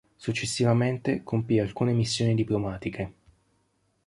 Successivamente compì alcune missioni diplomatiche.